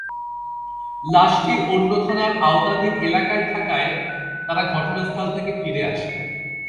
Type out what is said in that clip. লাশটি অন্য থানার আওতাধীন এলাকায় থাকায় তাঁরা ঘটনাস্থল থেকে ফিরে যান।